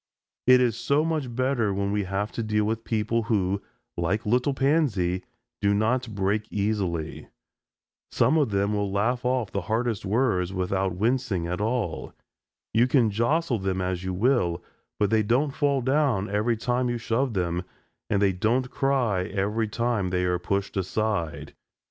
It is so much better when we have to deal with people who, like little Pansy, do not break easily. Some of them will laugh off the hardest words without wincing at all. You can jostle them as you will, but they don't fall down every time you shove them, and they don't cry every time they are pushed aside.